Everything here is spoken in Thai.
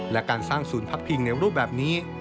และการสร้างศูนย์พักพิงในรูปแบบนี้